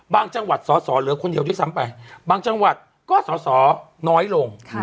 จังหวัดสอสอเหลือคนเดียวด้วยซ้ำไปบางจังหวัดก็สอสอน้อยลง